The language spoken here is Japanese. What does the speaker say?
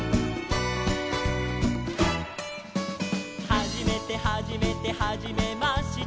「はじめてはじめてはじめまして」